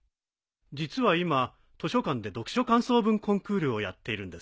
実は今図書館で読書感想文コンクールをやっているんですよ。